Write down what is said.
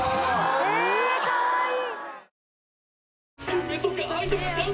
えぇかわいい！